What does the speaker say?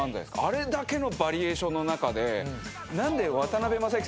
あれだけのバリエーションの中で。